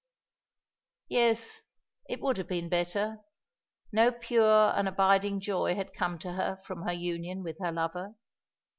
Yes, it would have been better. No pure and abiding joy had come to her from her union with her lover.